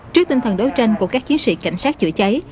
trước tinh thần đấu tranh của các chiến sĩ cảnh sát chữa cháy